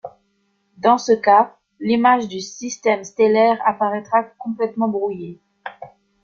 Dans ce cas, l'image du système stellaire apparaîtra complètement brouillé.